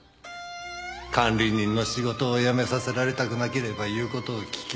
「管理人の仕事を辞めさせられたくなければ言う事を聞け。